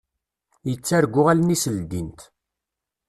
Yettargu allen-is ldint.